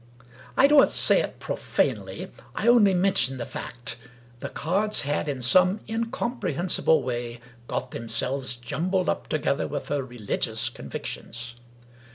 I, don't say it profanely; I only mention the fact — the cards had, in some incomprehensible way, got themselves jumbled up together with her religious convictions.